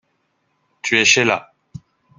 Tu es Sheila.